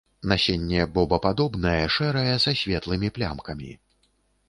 Насенне бобападобнае, шэрае, са светлымі плямкамі.